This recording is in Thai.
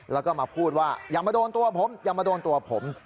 แล้วก็มาพูดว่าอย่ามาโดนตัวผมอย่ามาโดนตัวผม